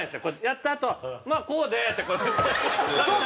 やったあと「まあこうで」ってこう。